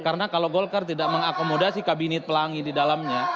karena kalau golkar tidak mengakomodasi kabinet pelangi di dalamnya